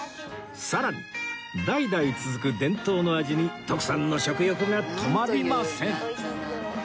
さらに代々続く伝統の味に徳さんの食欲が止まりません